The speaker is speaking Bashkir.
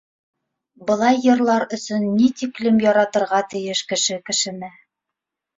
Былай йырлар өсөн ни тиклем яратырға тейеш кеше кешене...